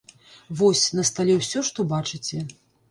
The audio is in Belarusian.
Вось, на стале ўсё, што бачыце.